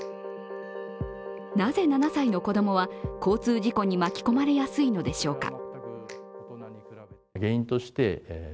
なぜ７歳の子供は交通事故に巻き込まれやすいのでしょうか。